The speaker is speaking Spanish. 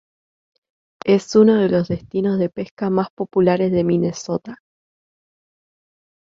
Es uno de los destinos de pesca más populares de Minnesota.